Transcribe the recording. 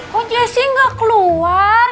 kok jessi gak keluar